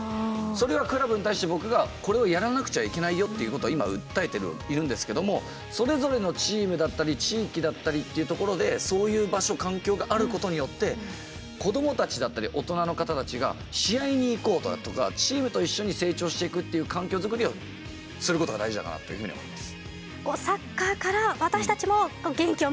それがクラブに対して僕がこれをやらなくちゃいけないよっていうことは今訴えているんですけどもそれぞれのチームだったり地域だったりっていうところでそういう場所環境があることによって子供たちだったり大人の方たちが試合に行こうだとかチームと一緒に成長していくっていう環境づくりをすることが大事だなというふうに思います。